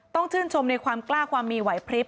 ต้องชื่นชมในความกล้าความมีไหวพลิบ